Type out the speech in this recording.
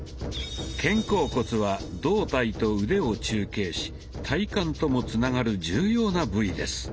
肩甲骨は胴体と腕を中継し体幹ともつながる重要な部位です。